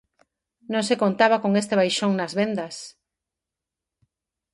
Non se contaba con este baixón nas vendas.